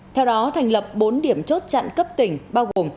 theo đó thành lập bốn điểm chốt chặn covid một mươi chín